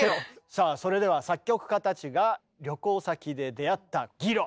さあそれでは作曲家たちが旅行先で出会ったギロ。